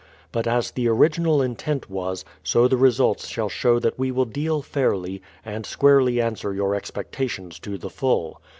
But as the original intent was, so the results shall show that v/e will deal fairly, and squarely answer j'our expectations to the full.